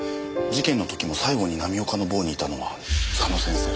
事件の時も最後に浪岡の房にいたのは佐野先生。